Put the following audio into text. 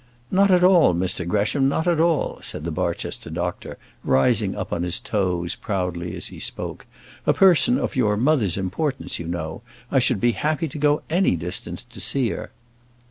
"Not at all, Mr Gresham; not at all," said the Barchester doctor, rising up on his toes proudly as he spoke. "A person of your mother's importance, you know! I should be happy to go any distance to see her."